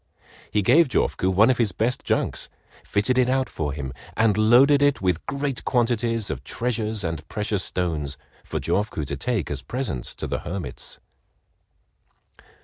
He gave Jofuku one of his best junks, fitted it out for him, and loaded it with great quantities of treasures and precious stones for Jofuku to take as presents to the hermits.